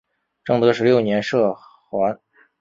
正德十六年赦还。